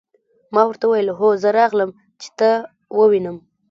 ما ورته وویل: هو زه راغلم، چې ته ووینم.